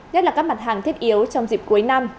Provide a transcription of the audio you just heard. nhất là các mặt hàng thiết yếu trong dịp cuối năm